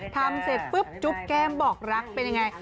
ทำเสร็จปุ๊บจุ๊บแก้มบอกรักเป็นยังไง